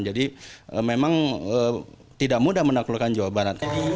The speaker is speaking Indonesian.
jadi memang tidak mudah menaklukkan jawa barat